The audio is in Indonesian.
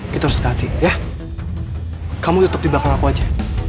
kita sudah hati ya kamu tetap di belakang aku aja